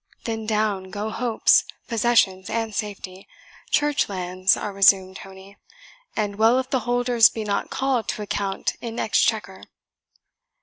Then down go hopes, possessions, and safety church lands are resumed, Tony, and well if the holders be not called to account in Exchequer."